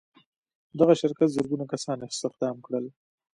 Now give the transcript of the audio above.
دغه شرکت زرګونه کسان استخدام کړل.